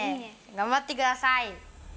がんばってください。